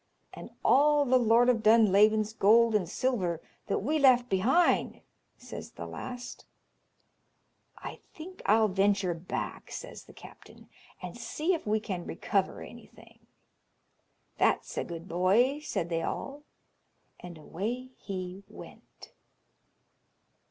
"And all the Lord of Dunlavin's gold and silver that we left behind," says the last. "I think I'll venture back," says the captain, "and see if we can recover anything." "That's a good boy," said they all, and away he went.